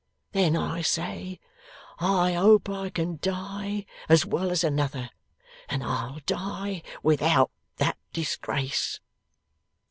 Then I say, I hope I can die as well as another, and I'll die without that disgrace.